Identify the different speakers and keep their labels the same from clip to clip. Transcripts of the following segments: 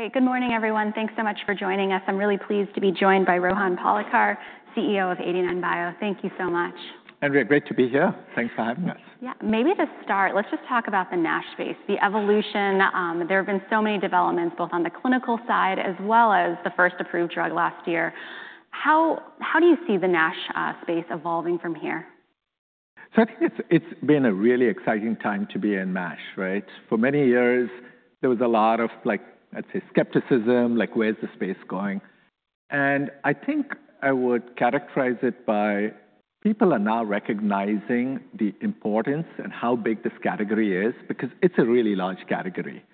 Speaker 1: All right, good morning everyone. Thanks so much for joining us. I'm really pleased to be joined by Rohan Palekar, CEO of 89bio. Thank you so much.
Speaker 2: Andrea, great to be here. Thanks for having us. Yeah, maybe to start, let's just talk about the NASH space, the evolution. There have been so many developments, both on the clinical side as well as the first approved drug last year. How do you see the NASH space evolving from here? I think it's been a really exciting time to be in NASH, right? For many years, there was a lot of, like, let's say, skepticism, like, where's the space going? I think I would characterize it by people are now recognizing the importance and how big this category is because it's a really large category.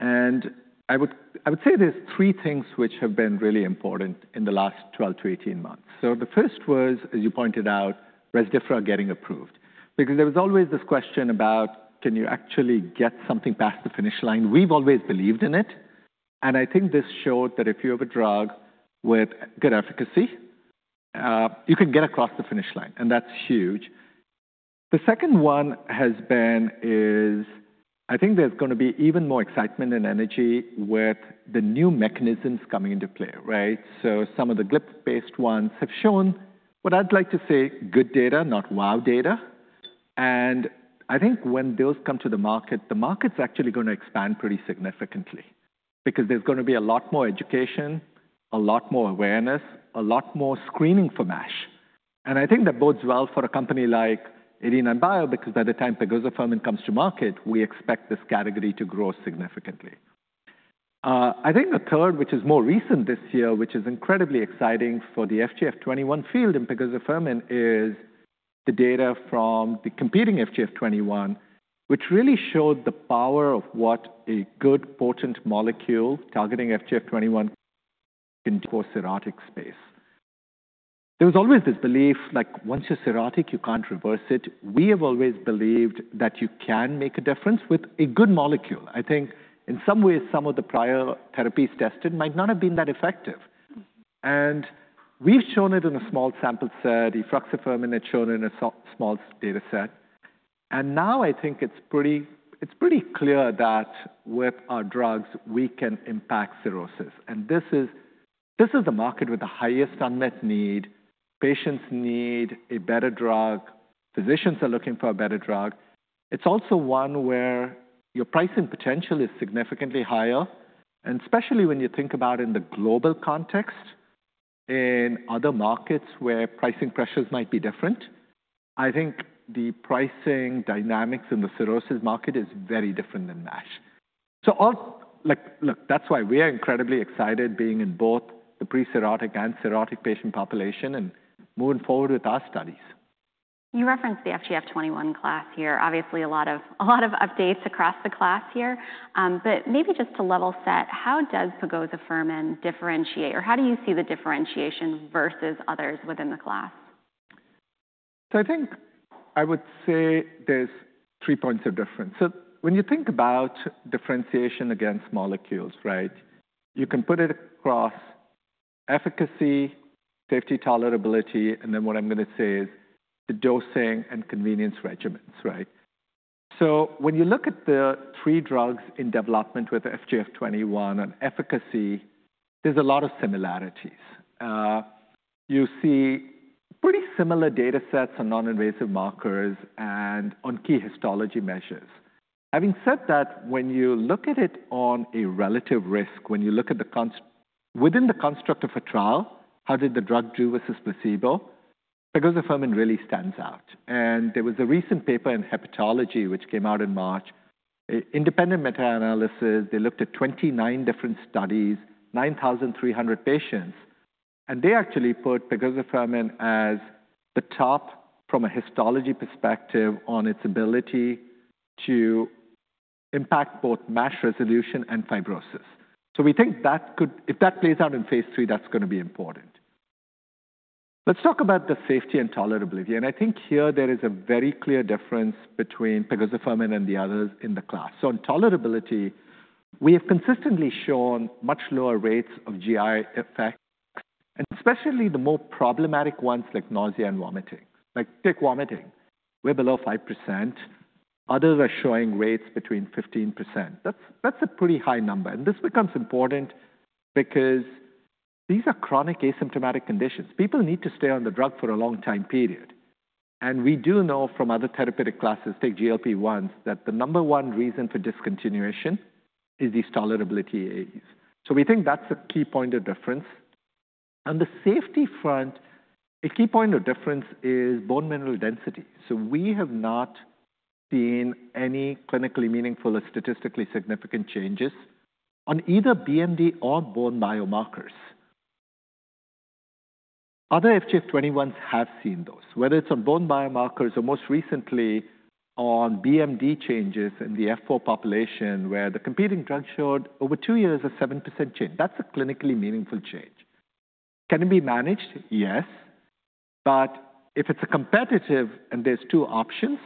Speaker 2: I would say there's three things which have been really important in the last 12 months to 18 months. The first was, as you pointed out, Rezdiffra getting approved, because there was always this question about, can you actually get something past the finish line? We've always believed in it. I think this showed that if you have a drug with good efficacy, you can get across the finish line, and that's huge. The second one has been is, I think there's going to be even more excitement and energy with the new mechanisms coming into play, right? Some of the GLP-based ones have shown what I'd like to say, good data, not wow data. I think when those come to the market, the market's actually going to expand pretty significantly because there's going to be a lot more education, a lot more awareness, a lot more screening for NASH. I think that bodes well for a company like 89bio, because by the time pegozafermin comes to market, we expect this category to grow significantly. I think the third, which is more recent this year, which is incredibly exciting for the FGF21 field and pegozafermin, is the data from the competing FGF21, which really showed the power of what a good, potent molecule targeting FGF21 can do for the cirrhotic space. There was always this belief, like, once you're cirrhotic, you can't reverse it. We have always believed that you can make a difference with a good molecule. I think in some ways, some of the prior therapies tested might not have been that effective. And we've shown it in a small sample set. Efruxifermin had shown it in a small data set. Now I think it's pretty clear that with our drugs, we can impact cirrhosis. This is the market with the highest unmet need. Patients need a better drug. Physicians are looking for a better drug. It's also one where your pricing potential is significantly higher. Especially when you think about it in the global context, in other markets where pricing pressures might be different, I think the pricing dynamics in the cirrhosis market is very different than NASH. Look, that's why we are incredibly excited being in both the pre-cirrhotic and cirrhotic patient population and moving forward with our studies. You referenced the FGF21 class here. Obviously, a lot of updates across the class here. Maybe just to level set, how does pegozafermin differentiate, or how do you see the differentiation versus others within the class? I think I would say there's three points of difference. When you think about differentiation against molecules, right, you can put it across efficacy, safety, tolerability, and then what I'm going to say is the dosing and convenience regimens, right? When you look at the three drugs in development with FGF21 and efficacy, there's a lot of similarities. You see pretty similar data sets on non-invasive markers and on key histology measures. Having said that, when you look at it on a relative risk, when you look at the construct of a trial, how did the drug do versus placebo, pegozafermin really stands out. There was a recent paper in Hepatology, which came out in March, independent meta-analysis. They looked at 29 different studies, 9,300 patients, and they actually put pegozafermin as the top from a histology perspective on its ability to impact both NASH resolution and fibrosis. We think that could, if that plays out in phase III, that's going to be important. Let's talk about the safety and tolerability. I think here there is a very clear difference between pegozafermin and the others in the class. In tolerability, we have consistently shown much lower rates of GI effects, and especially the more problematic ones like nausea and vomiting. Like take vomiting, we're below 5%. Others are showing rates between 15%. That's a pretty high number. This becomes important because these are chronic asymptomatic conditions. People need to stay on the drug for a long time period. We do know from other therapeutic classes, take GLP-1s, that the number one reason for discontinuation is these tolerability aids. We think that is a key point of difference. On the safety front, a key point of difference is bone mineral density. We have not seen any clinically meaningful or statistically significant changes on either BMD or bone biomarkers. Other FGF21s have seen those, whether it is on bone biomarkers or most recently on BMD changes in the F4 population where the competing drug showed over two years a 7% change. That is a clinically meaningful change. Can it be managed? Yes. If it is competitive and there are two options,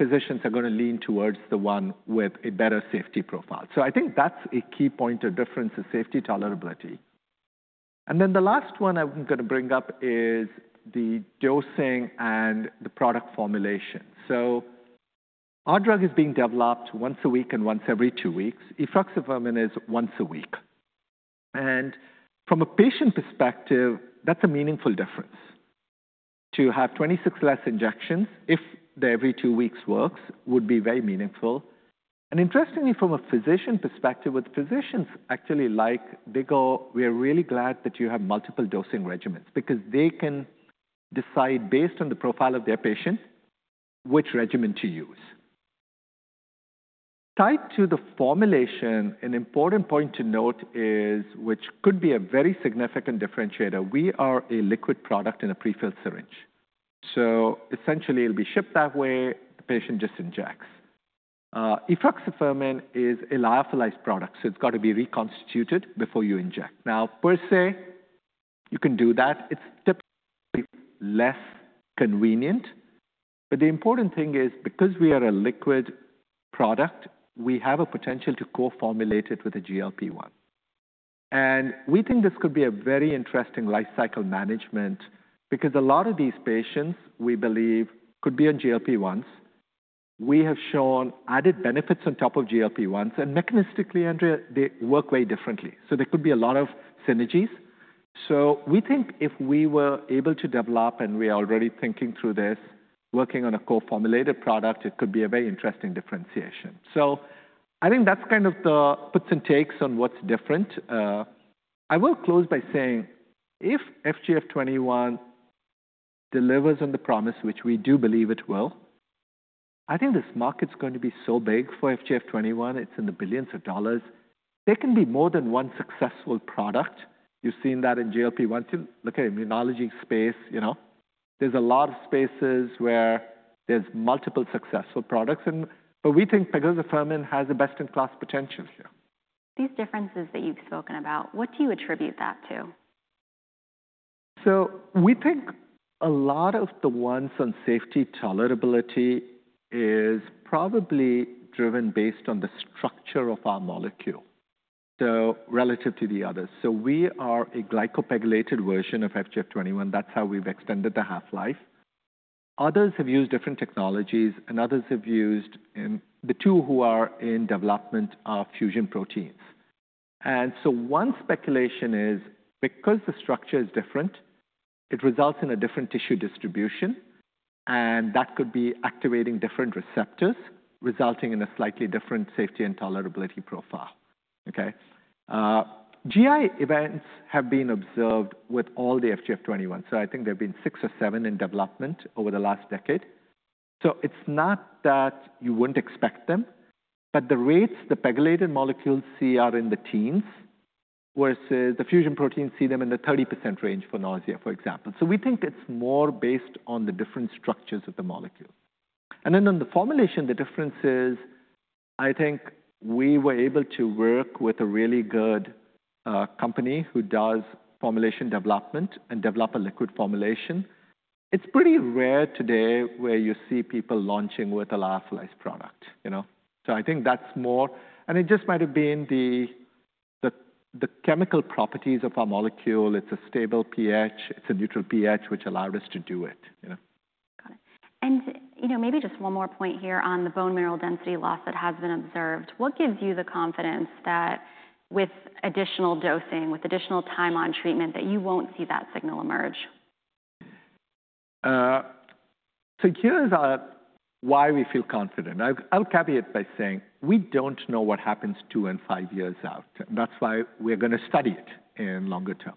Speaker 2: physicians are going to lean towards the one with a better safety profile. I think that is a key point of difference, safety tolerability. The last one I'm going to bring up is the dosing and the product formulation. Our drug is being developed once a week and once every two weeks. Efruxifermin is once a week. From a patient perspective, that's a meaningful difference. To have 26 less injections if the every two weeks works would be very meaningful. Interestingly, from a physician perspective, with physicians actually like they go, we are really glad that you have multiple dosing regimens because they can decide based on the profile of their patients which regimen to use. Tied to the formulation, an important point to note is, which could be a very significant differentiator, we are a liquid product in a prefilled syringe. Essentially, it'll be shipped that way. The patient just injects. Efruxifermin is a lyophilized product, so it's got to be reconstituted before you inject. Now, per se, you can do that. It's typically less convenient. The important thing is, because we are a liquid product, we have a potential to co-formulate it with a GLP-1. We think this could be a very interesting lifecycle management because a lot of these patients, we believe, could be on GLP-1s. We have shown added benefits on top of GLP-1s, and mechanistically, Andrea, they work way differently. There could be a lot of synergies. We think if we were able to develop, and we are already thinking through this, working on a co-formulated product, it could be a very interesting differentiation. I think that's kind of the puts and takes on what's different. I will close by saying, if FGF21 delivers on the promise, which we do believe it will, I think this market's going to be so big for FGF21. It's in the billions of dollars. There can be more than one successful product. You've seen that in GLP-1s. Look at immunology space, you know there's a lot of spaces where there's multiple successful products. We think pegozafermin has the best in class potential here. These differences that you've spoken about, what do you attribute that to? We think a lot of the ones on safety tolerability is probably driven based on the structure of our molecule, so relative to the others. We are a glycopegylated version of FGF21. That is how we have extended the half-life. Others have used different technologies, and others have used—in the two who are in development—are fusion proteins. One speculation is, because the structure is different, it results in a different tissue distribution, and that could be activating different receptors, resulting in a slightly different safety and tolerability profile. GI events have been observed with all the FGF21. I think there have been six or seven in development over the last decade. It is not that you would not expect them, but the rates the pegylated molecules see are in the teens versus the fusion proteins see them in the 30% range for nausea, for example. We think it's more based on the different structures of the molecule. And then on the formulation, the difference is, I think we were able to work with a really good company who does formulation development and develop a liquid formulation. It's pretty rare today where you see people launching with a lyophilized product. You know, I think that's more, and it just might have been the chemical properties of our molecule. It's a stable pH. It's a neutral pH, which allowed us to do it. Got it. You know, maybe just one more point here on the bone mineral density loss that has been observed. What gives you the confidence that with additional dosing, with additional time on treatment, that you won't see that signal emerge? Here's why we feel confident. I'll caveat by saying we don't know what happens two and five years out. That's why we're going to study it in longer term.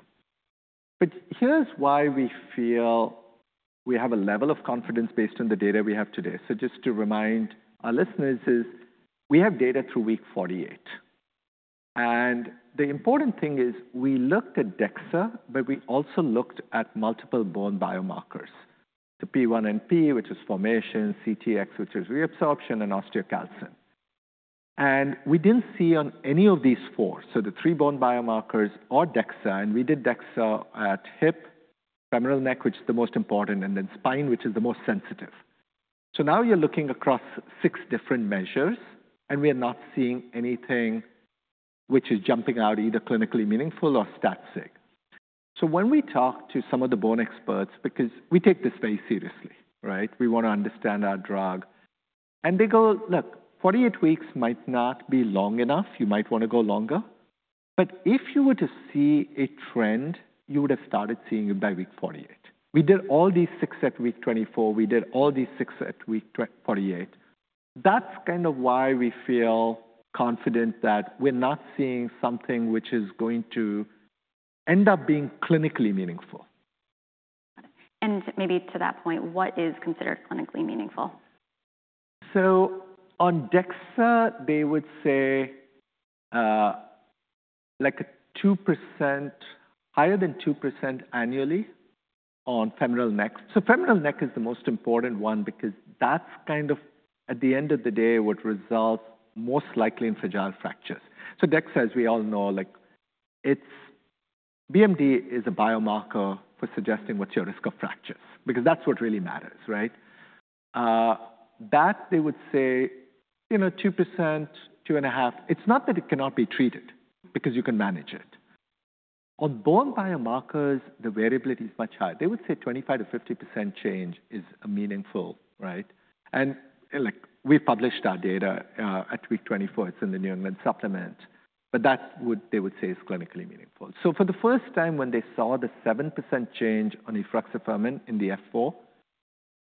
Speaker 2: Here's why we feel we have a level of confidence based on the data we have today. Just to remind our listeners is we have data through week 48. The important thing is we looked at DEXA, but we also looked at multiple bone biomarkers, the P1NP, which is formation, CTX, which is resorption, and osteocalcin. We didn't see on any of these four, so the three bone biomarkers or DEXA, and we did DEXA at hip, femoral neck, which is the most important, and then spine, which is the most sensitive. Now you're looking across six different measures, and we are not seeing anything which is jumping out either clinically meaningful or statistically. When we talk to some of the bone experts, because we take this very seriously, right? We want to understand our drug. They go, look, 48 weeks might not be long enough. You might want to go longer. If you were to see a trend, you would have started seeing it by week 48. We did all these six at week 24. We did all these six at week 48. That is kind of why we feel confident that we are not seeing something which is going to end up being clinically meaningful. Maybe to that point, what is considered clinically meaningful? On DEXA, they would say like a 2%, higher than 2% annually on femoral neck. Femoral neck is the most important one because that's kind of at the end of the day what results most likely in fragile fractures. DEXA, as we all know, like it's BMD is a biomarker for suggesting what's your risk of fractures because that's what really matters, right? That they would say, you know, 2%, 2.5%. It's not that it cannot be treated because you can manage it. On bone biomarkers, the variability is much higher. They would say 25%-50% change is meaningful, right? And like we've published our data at week 24. It's in the New England Supplement, but that's what they would say is clinically meaningful. For the first time when they saw the 7% change on efruxifermin in the F4,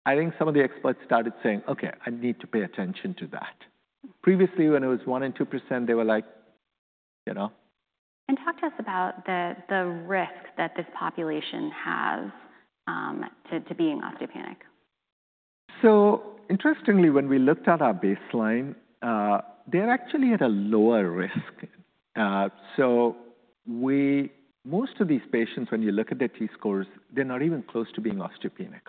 Speaker 2: I think some of the experts started saying, okay, I need to pay attention to that. Previously, when it was 1% and 2%, they were like, you know. Talk to us about the risk that this population has to being osteopenic. Interestingly, when we looked at our baseline, they're actually at a lower risk. Most of these patients, when you look at their T-scores, they're not even close to being osteopenic.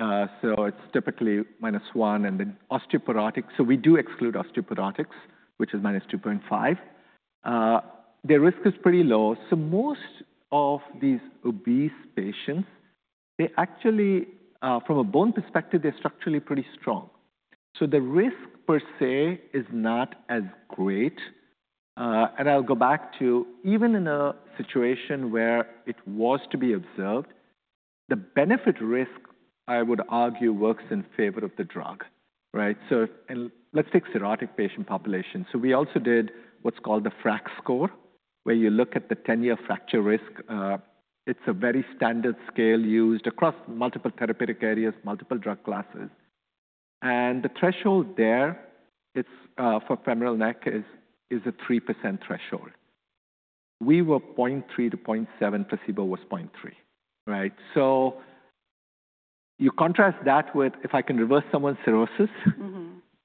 Speaker 2: It's typically -1 and then osteoporotic. We do exclude osteoporotics, which is -2.5. Their risk is pretty low. Most of these obese patients, they actually, from a bone perspective, they're structurally pretty strong. The risk per se is not as great. I'll go back to even in a situation where it was to be observed, the benefit risk, I would argue, works in favor of the drug, right? Let's take cirrhotic patient population. We also did what's called the FRAX score, where you look at the 10-year fracture risk. It's a very standard scale used across multiple therapeutic areas, multiple drug classes. The threshold there, for femoral neck, is a 3% threshold. We were 0.3%-0.7%. Placebo was 0.3%, right? You contrast that with if I can reverse someone's cirrhosis,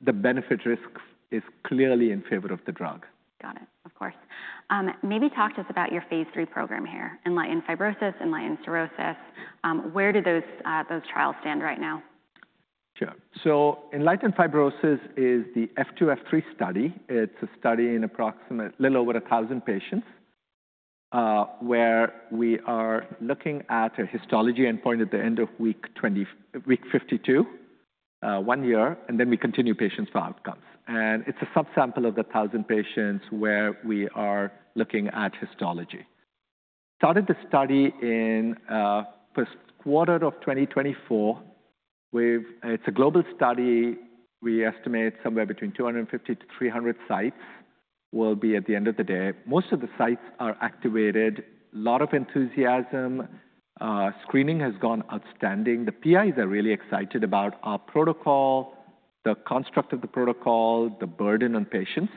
Speaker 2: the benefit risk is clearly in favor of the drug. Got it. Of course. Maybe talk to us about your phase III program here in ENLIGHTEN-Fibrosis and ENLIGHTEN-Cirrhosis. Where do those trials stand right now? Sure. ENLIGHTEN-Fibrosis is the F2-F3 study. It's a study in approximately a little over 1,000 patients where we are looking at a histology endpoint at the end of week 52, one year, and then we continue patients for outcomes. It's a subsample of the 1,000 patients where we are looking at histology. Started the study in first quarter of 2024. It's a global study. We estimate somewhere between 250-300 sites will be at the end of the day. Most of the sites are activated. A lot of enthusiasm. Screening has gone outstanding. The PIs are really excited about our protocol, the construct of the protocol, the burden on patients.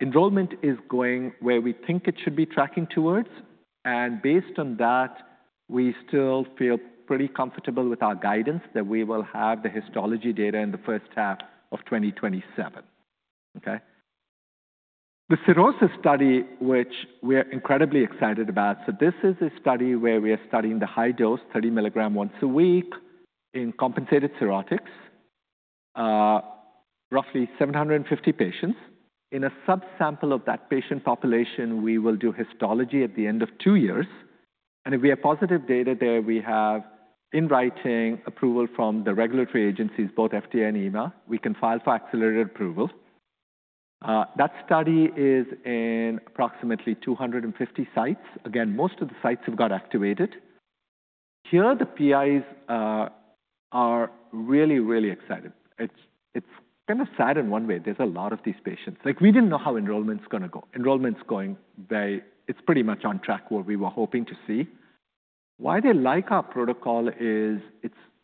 Speaker 2: Enrollment is going where we think it should be tracking towards. Based on that, we still feel pretty comfortable with our guidance that we will have the histology data in the first half of 2027. Okay. The cirrhosis study, which we're incredibly excited about. This is a study where we are studying the high dose, 30 mg once a week in compensated cirrhotics, roughly 750 patients. In a subsample of that patient population, we will do histology at the end of two years. If we have positive data there, we have in writing approval from the regulatory agencies, both FDA and EMA. We can file for accelerated approval. That study is in approximately 250 sites. Most of the sites have got activated. Here, the PIs are really, really excited. It is kind of sad in one way. There are a lot of these patients. Like we did not know how enrollment is going to go. Enrollment is going very, it is pretty much on track where we were hoping to see. Why they like our protocol is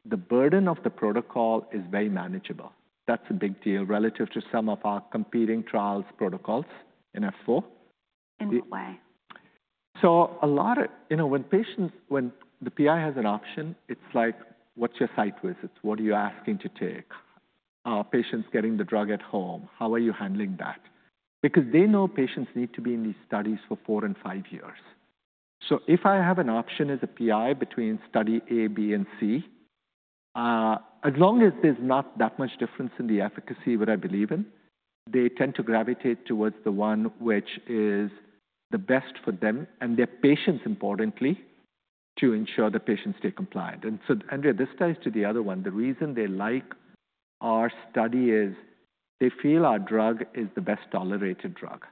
Speaker 2: the burden of the protocol is very manageable. That's a big deal relative to some of our competing trials, protocols in F4. In what way? A lot of, you know, when patients, when the PI has an option, it's like, what's your site visits? What are you asking to take? Are patients getting the drug at home? How are you handling that? Because they know patients need to be in these studies for four and five years. If I have an option as a PI between study A, B, and C, as long as there's not that much difference in the efficacy, what I believe in, they tend to gravitate towards the one which is the best for them and their patients, importantly, to ensure the patients stay compliant. Andrea, this ties to the other one. The reason they like our study is they feel our drug is the best tolerated drug.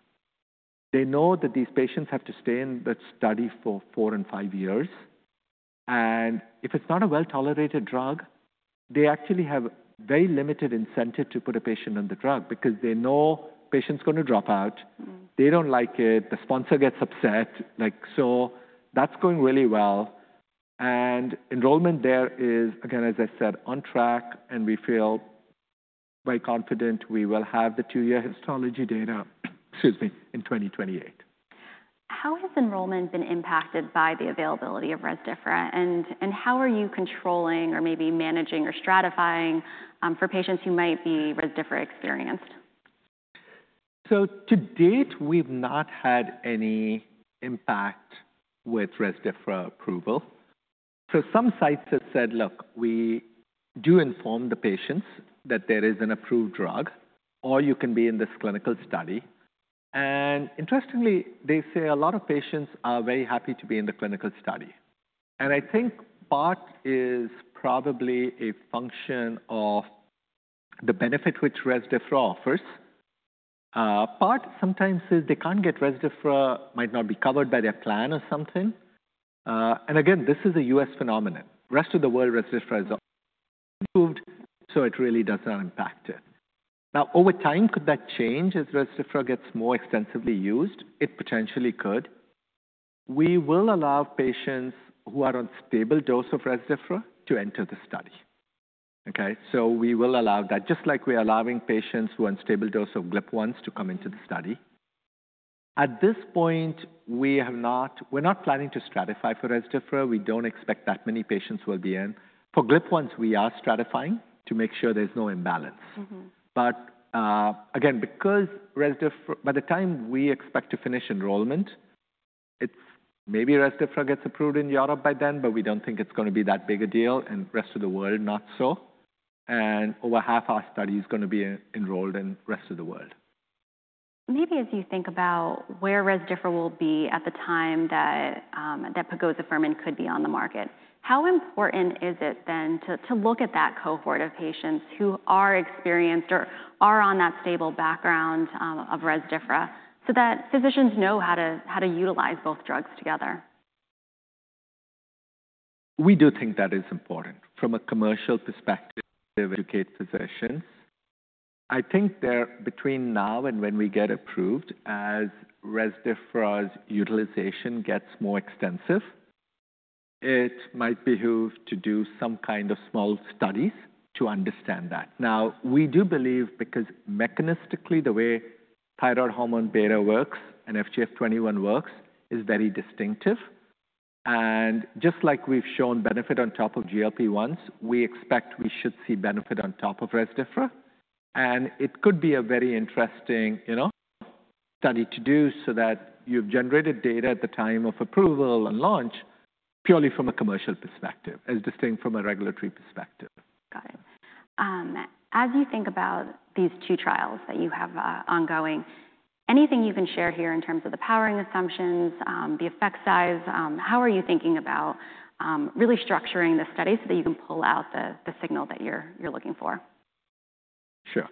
Speaker 2: They know that these patients have to stay in the study for four and five years. If it's not a well-tolerated drug, they actually have very limited incentive to put a patient on the drug because they know patients are going to drop out. They do not like it. The sponsor gets upset. Like, that is going really well. Enrollment there is, again, as I said, on track, and we feel very confident we will have the two-year histology data, excuse me, in 2028. How has enrollment been impacted by the availability of Rezdiffra? And how are you controlling or maybe managing or stratifying for patients who might be Rezdiffra experienced? To date, we've not had any impact with Rezdiffra approval. Some sites have said, look, we do inform the patients that there is an approved drug, or you can be in this clinical study. Interestingly, they say a lot of patients are very happy to be in the clinical study. I think part is probably a function of the benefit which Rezdiffra offers. Part sometimes says they can't get Rezdiffra, might not be covered by their plan or something. Again, this is a U.S. phenomenon. The rest of the world, Rezdiffra is approved, so it really does not impact it. Over time, could that change as Rezdiffra gets more extensively used? It potentially could. We will allow patients who are on stable dose of Rezdiffra to enter the study. Okay, so we will allow that, just like we're allowing patients who are on stable dose of GLP-1s to come into the study. At this point, we're not planning to stratify for Rezdiffra. We don't expect that many patients will be in. For GLP-1s, we are stratifying to make sure there's no imbalance. Again, because Rezdiffra, by the time we expect to finish enrollment, maybe Rezdiffra gets approved in Europe by then, but we don't think it's going to be that big a deal and rest of the world not so. Over half our study is going to be enrolled in rest of the world. Maybe as you think about where Rezdiffra will be at the time that pegozafermin could be on the market, how important is it then to look at that cohort of patients who are experienced or are on that stable background of Rezdiffra so that physicians know how to utilize both drugs together? We do think that is important from a commercial perspective. Educate physicians. I think that between now and when we get approved, as Rezdiffra's utilization gets more extensive, it might behoove to do some kind of small studies to understand that. Now, we do believe because mechanistically, the way thyroid hormone beta works and FGF21 works is very distinctive. And just like we've shown benefit on top of GLP-1s, we expect we should see benefit on top of Rezdiffra. It could be a very interesting, you know, study to do so that you've generated data at the time of approval and launch purely from a commercial perspective as distinct from a regulatory perspective. Got it. As you think about these two trials that you have ongoing, anything you can share here in terms of the powering assumptions, the effect size, how are you thinking about really structuring the study so that you can pull out the signal that you're looking for? Sure.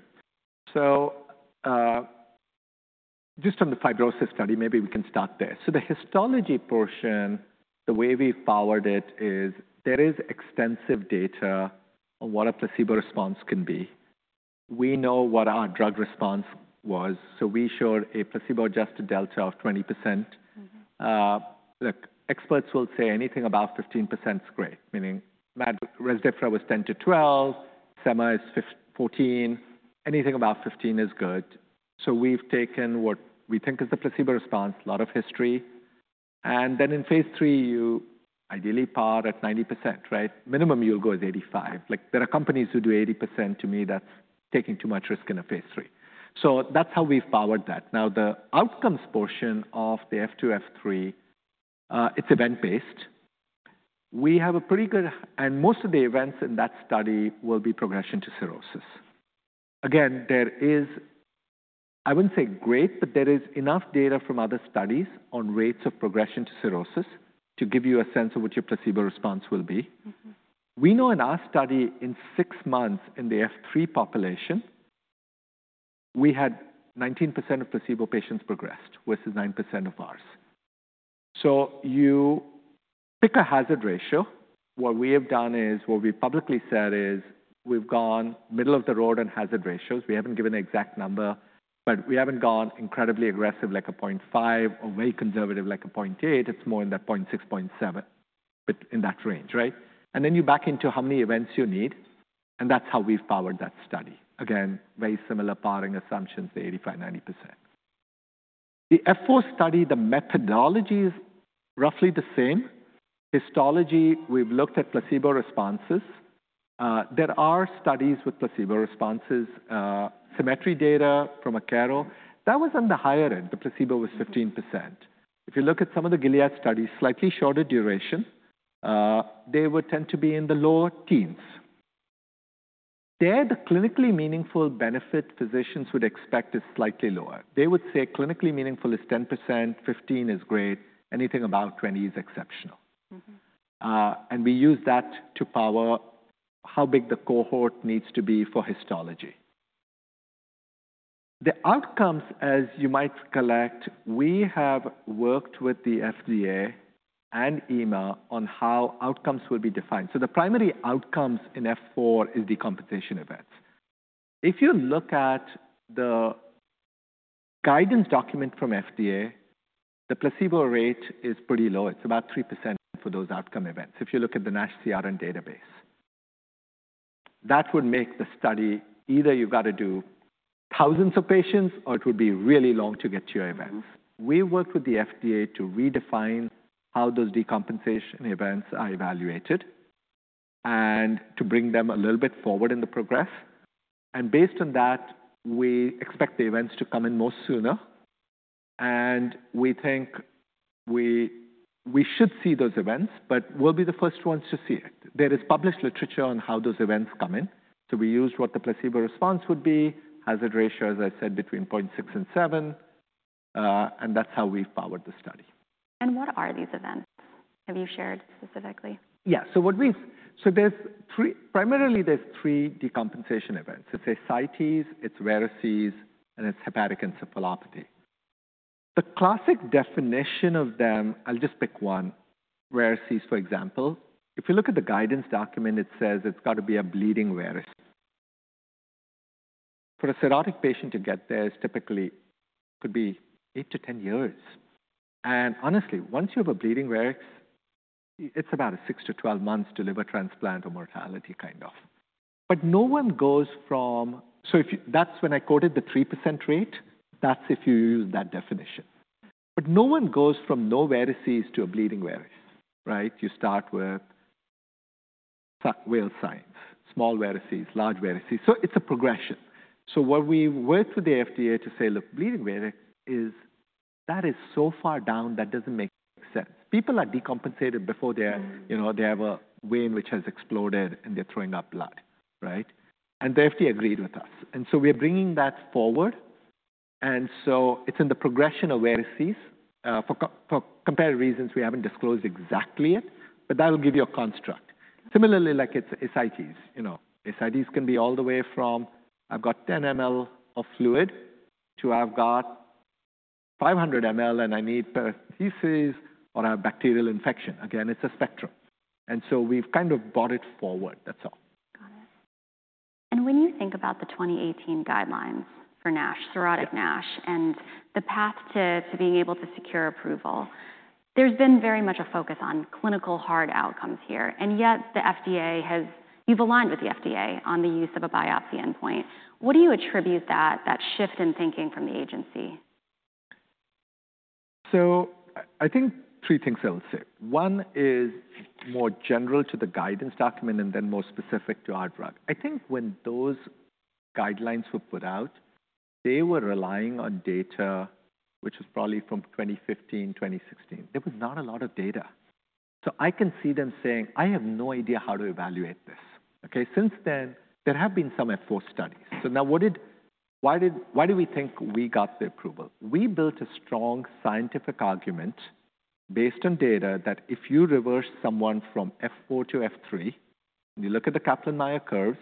Speaker 2: Just on the fibrosis study, maybe we can start there. The histology portion, the way we've powered it is there is extensive data on what a placebo response can be. We know what our drug response was. We showed a placebo-adjusted delta of 20%. Look, experts will say anything above 15% is great, meaning Rezdiffra was 10%-12%, sema is 14%. Anything above 15% is good. We've taken what we think is the placebo response, a lot of history. In phase III, you ideally power at 90%, right? Minimum you'll go is 85%. There are companies who do 80%. To me, that's taking too much risk in a phase III. That's how we've powered that. Now, the outcomes portion of the F2-F3, it's event-based. We have a pretty good, and most of the events in that study will be progression to cirrhosis. Again, there is, I would not say great, but there is enough data from other studies on rates of progression to cirrhosis to give you a sense of what your placebo response will be. We know in our study in six months in the F3 population, we had 19% of placebo patients progressed versus 9% of ours. You pick a hazard ratio. What we have done is what we publicly said is we have gone middle of the road on hazard ratios. We have not given an exact number, but we have not gone incredibly aggressive like a 0.5 or very conservative like a 0.8. It is more in that 0.6-0.7, but in that range, right? You back into how many events you need. That is how we have powered that study. Again, very similar powering assumptions, the 85%-90%. The F4 study, the methodology is roughly the same. Histology, we've looked at placebo responses. There are studies with placebo responses, symmetry data from Akero. That was on the higher end. The placebo was 15%. If you look at some of the Gilead studies, slightly shorter duration, they would tend to be in the lower teens. There, the clinically meaningful benefit physicians would expect is slightly lower. They would say clinically meaningful is 10%, 15% is great. Anything about 20% is exceptional. We use that to power how big the cohort needs to be for histology. The outcomes, as you might collect, we have worked with the FDA and EMA on how outcomes will be defined. The primary outcomes in F4 is decompensation events. If you look at the guidance document from FDA, the placebo rate is pretty low. It's about 3% for those outcome events. If you look at the NASH CRN database, that would make the study either you've got to do thousands of patients or it would be really long to get to your events. We worked with the FDA to redefine how those decompensation events are evaluated and to bring them a little bit forward in the progress. Based on that, we expect the events to come in more sooner. We think we should see those events, but we'll be the first ones to see it. There is published literature on how those events come in. We used what the placebo response would be, hazard ratio, as I said, between 0.6 and 7. That's how we've powered the study. What are these events? Have you shared specifically? Yeah. So what we've, so there's three, primarily there's three decompensation events. It's ascites, it's varices, and it's hepatic encephalopathy. The classic definition of them, I'll just pick one, varices for example. If you look at the guidance document, it says it's got to be a bleeding varice. For a cirrhotic patient to get there, it typically could be 8 years-10 years. And honestly, once you have a bleeding varice, it's about a 6 months-12 months to liver transplant or mortality kind of. But no one goes from, so if you, that's when I quoted the 3% rate, that's if you use that definition. But no one goes from no varices to a bleeding varice, right? You start with whale signs, small varices, large varices. So it's a progression. What we worked with the FDA to say, look, bleeding varices, that is so far down, that does not make sense. People are decompensated before they are, you know, they have a vein which has exploded and they are throwing up blood, right? The FDA agreed with us. We are bringing that forward. It is in the progression of varices. For comparative reasons, we have not disclosed exactly it, but that will give you a construct. Similarly, like it is ascites, you know, ascites can be all the way from I have got 10 ml of fluid to I have got 500 ml and I need paracentesis or I have bacterial infection. Again, it is a spectrum. We have kind of brought it forward. That is all. Got it. When you think about the 2018 guideline for NASH, cirrhotic NASH, and the path to being able to secure approval, there's been very much a focus on clinical hard outcomes here. Yet the FDA has, you've aligned with the FDA on the use of a biopsy endpoint. What do you attribute that, that shift in thinking from the agency? I think three things I would say. One is more general to the guidance document and then more specific to our drug. I think when those guidelines were put out, they were relying on data, which was probably from 2015, 2016. There was not a lot of data. I can see them saying, I have no idea how to evaluate this. Okay. Since then, there have been some F4 studies. Now what did, why did, why do we think we got the approval? We built a strong scientific argument based on data that if you reverse someone from F4 to F3, and you look at the Kaplan-Meier curves,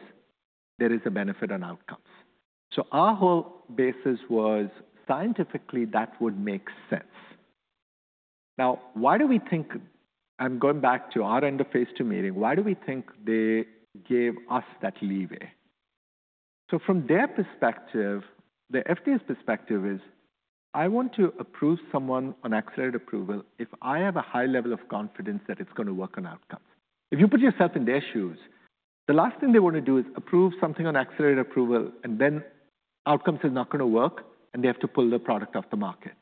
Speaker 2: there is a benefit on outcomes. Our whole basis was scientifically that would make sense. Now, why do we think, I'm going back to our end of phase two meeting, why do we think they gave us that leeway? From their perspective, the FDA's perspective is, I want to approve someone on accelerated approval if I have a high level of confidence that it's going to work on outcomes. If you put yourself in their shoes, the last thing they want to do is approve something on accelerated approval and then outcomes is not going to work and they have to pull the product off the market.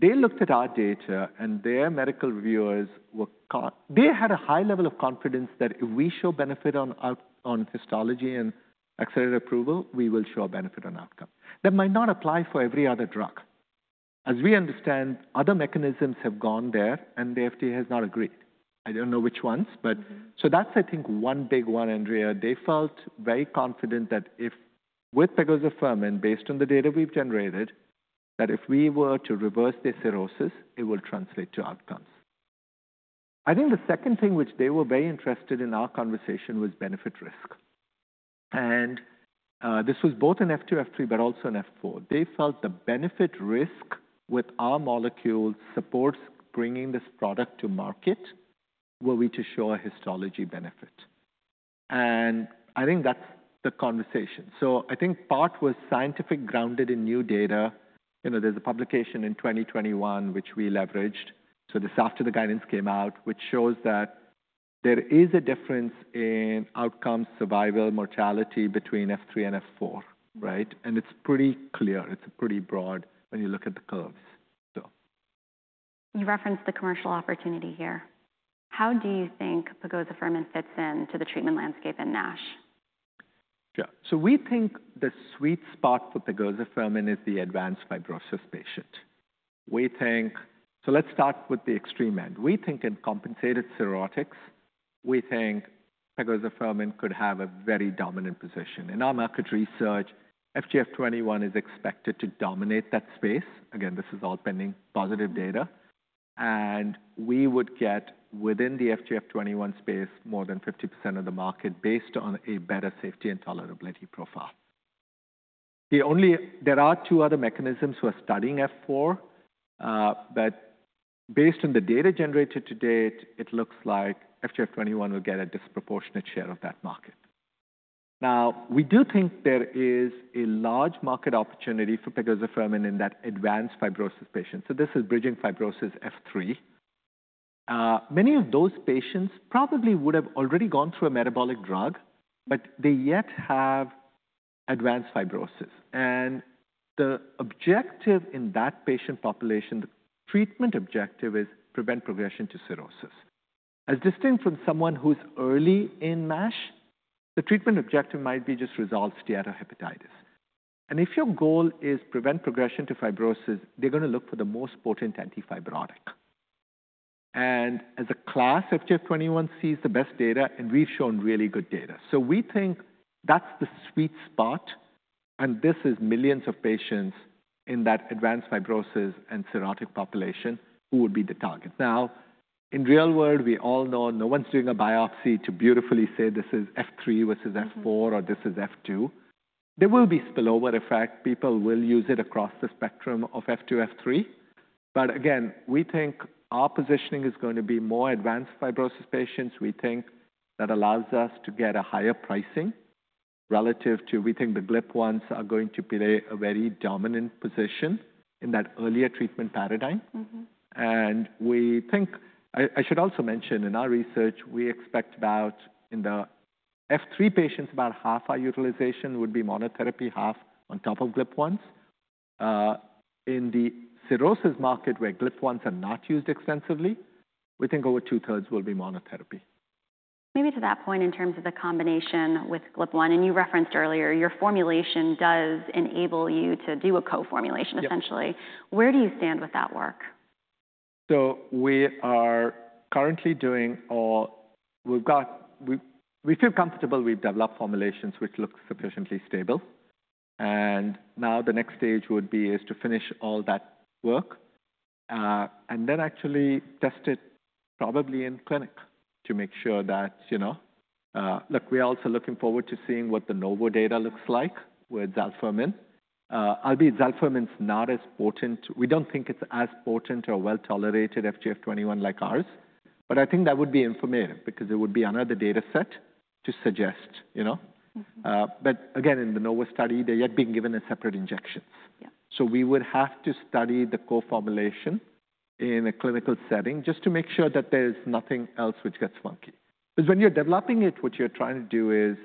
Speaker 2: They looked at our data and their medical reviewers were caught, they had a high level of confidence that if we show benefit on histology and accelerated approval, we will show a benefit on outcome. That might not apply for every other drug. As we understand, other mechanisms have gone there and the FDA has not agreed. I don't know which ones, but so that's, I think, one big one, Andrea. They felt very confident that if with pegozafermin, based on the data we've generated, that if we were to reverse the cirrhosis, it will translate to outcomes. I think the second thing which they were very interested in our conversation was benefit risk. And this was both in F2, F3, but also in F4. They felt the benefit risk with our molecules supports bringing this product to market, were we to show a histology benefit. I think that's the conversation. I think part was scientific grounded in new data. You know, there's a publication in 2021, which we leveraged. This after the guidance came out, which shows that there is a difference in outcome survival, mortality between F3 and F4, right? And it's pretty clear. It's pretty broad when you look at the curves. You referenced the commercial opportunity here. How do you think pegozafermin fits into the treatment landscape in NASH? Yeah. We think the sweet spot for pegozafermin is the advanced fibrosis patient. We think, let's start with the extreme end. We think in compensated cirrhotics, we think pegozafermin could have a very dominant position. In our market research, FGF21 is expected to dominate that space. Again, this is all pending positive data. We would get within the FGF21 space more than 50% of the market based on a better safety and tolerability profile. There are two other mechanisms that are studying F4, but based on the data generated to date, it looks like FGF21 will get a disproportionate share of that market. We do think there is a large market opportunity for pegozafermin in that advanced fibrosis patient. This is bridging fibrosis F3. Many of those patients probably would have already gone through a metabolic drug, but they yet have advanced fibrosis. The objective in that patient population, the treatment objective is prevent progression to cirrhosis. As distinct from someone who's early in NASH, the treatment objective might be just resolved steatohepatitis. If your goal is prevent progression to fibrosis, they're going to look for the most potent antifibrotic. As a class, FGF21 sees the best data and we've shown really good data. We think that's the sweet spot. This is millions of patients in that advanced fibrosis and cirrhotic population who would be the target. In real world, we all know no one's doing a biopsy to beautifully say this is F3 versus F4 or this is F2. There will be spillover effect. People will use it across the spectrum of F2, F3. Again, we think our positioning is going to be more advanced fibrosis patients. We think that allows us to get a higher pricing relative to, we think the GLP-1s are going to play a very dominant position in that earlier treatment paradigm. We think, I should also mention in our research, we expect about in the F3 patients, about half our utilization would be monotherapy, half on top of GLP-1s. In the cirrhosis market, where GLP-1s are not used extensively, we think over two thirds will be monotherapy. Maybe to that point in terms of the combination with GLP-1, and you referenced earlier, your formulation does enable you to do a co-formulation essentially. Where do you stand with that work? We are currently doing all, we've got, we feel comfortable we've developed formulations which look sufficiently stable. The next stage would be to finish all that work and then actually test it probably in clinic to make sure that, you know, look, we're also looking forward to seeing what the Novo data looks like with zalfermin. Albeit, zalfermin's not as potent. We don't think it's as potent or well tolerated FGF21 like ours, but I think that would be informative because it would be another data set to suggest, you know. Again, in the Novo study, they're yet being given a separate injection. We would have to study the co-formulation in a clinical setting just to make sure that there's nothing else which gets funky. Because when you're developing it, what you're trying to do is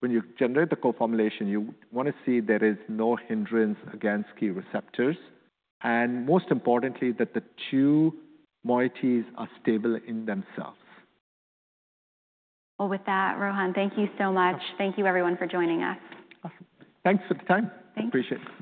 Speaker 2: when you generate the co-formulation, you want to see there is no hindrance against key receptors. Most importantly, that the two moieties are stable in themselves. Rohan, thank you so much. Thank you everyone for joining us. Awesome. Thanks for the time. Thanks. Appreciate it.